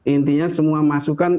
intinya semua masukan